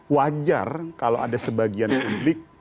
wajar kalau ada sebagian publik